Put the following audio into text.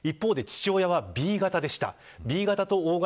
一方で父親はＢ型でした。